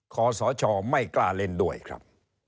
ขอสชไม่กล้าเล่นด้วยครับ